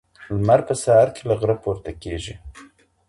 لمر په سهار کې له غره پورته کېږي.